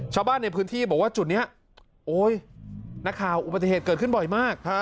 ชาวบ้านในพื้นที่บอกว่าจุดนี้โอ๊ยนักข่าวอุบัติเหตุเกิดขึ้นบ่อยมาก